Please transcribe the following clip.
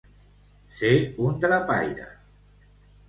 Ser un drapaire.